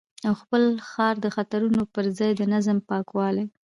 او خپل ښار د خطرونو پر ځای د نظم، پاکوالي